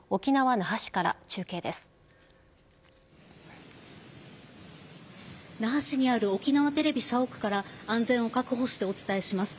那覇市にある沖縄テレビ社屋から安全を確保してお伝えします。